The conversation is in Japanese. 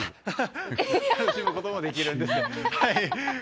楽しむこともできるんです。